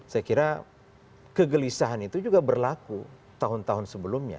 saya kira kegelisahan itu juga berlaku tahun tahun sebelumnya